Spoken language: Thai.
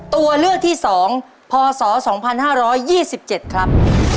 ตัวเลือกที่สองพอสอสองพันห้าร้อยยี่สิบเจ็ดครับ